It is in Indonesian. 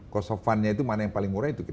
cost of fundnya itu mana yang paling murah itu